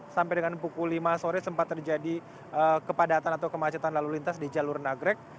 sampai dengan pukul lima sore sempat terjadi kepadatan atau kemacetan lalu lintas di jalur nagrek